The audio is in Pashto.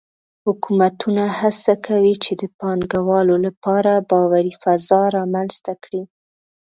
حکومتونه هڅه کوي چې د پانګهوالو لپاره باوري فضا رامنځته کړي.